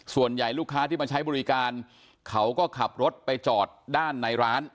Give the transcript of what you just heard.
ลูกค้าที่มาใช้บริการเขาก็ขับรถไปจอดด้านในร้าน